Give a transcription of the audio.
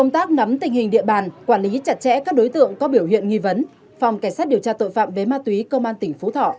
trẻ các đối tượng có biểu hiện nghi vấn phòng cảnh sát điều tra tội phạm về ma túy công an tỉnh phú thọ